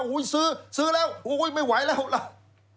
โอ้โฮซื้อซื้อแล้วโอ้โฮไม่ไหวแล้ว